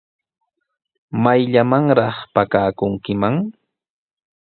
¿Mayllamanraq pakakunkiman?